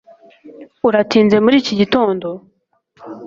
Uratinze muri iki gitondo